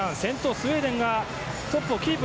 スウェーデンがトップをキープ。